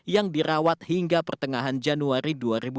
yang dirawat hingga pertengahan januari dua ribu dua puluh